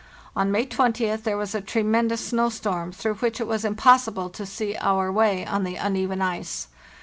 On May 2oth there was a tremendous snow storm, through which it was impossible to see our way on the uneven ice.